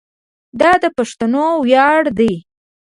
دا د پښتنو ویاړ دی.